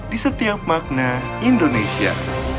di setiap makna indonesia